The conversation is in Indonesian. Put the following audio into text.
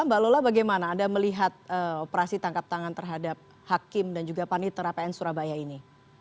mbak lola bagaimana anda melihat operasi tangkap tangan terhadap hakim dan juga panitera pn surabaya ini